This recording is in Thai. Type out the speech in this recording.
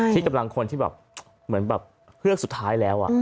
คิดกับหลังคนที่เหมือนเฮือกสุดท้ายแล้ว